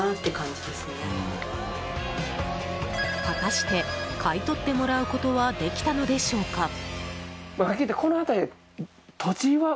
果たして買い取ってもらうことはできたのでしょうか？